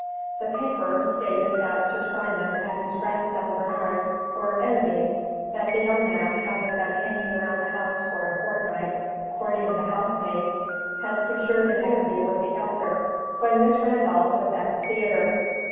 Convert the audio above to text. The paper stated that Sir Simon and his grandson, Bernard, were enemies, that the young man, having been hanging round the house for a fortnight courting the housemaid, had secured an interview with the elder when Miss Randolph was at the theatre.